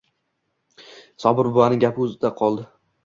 Sobir buvaning gapi og`zida qoldi